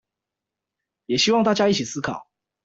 也希望大家一起思考